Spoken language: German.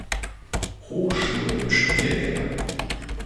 Hochschulen und Studiengänge